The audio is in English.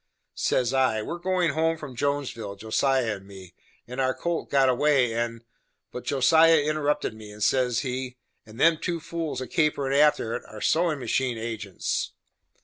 Says I, "We are goin' home from Jonesville, Josiah and me, and our colt got away and " But Josiah interrupted me, and says he, "And them two fools a caperin' after it, are sewin' machine agents."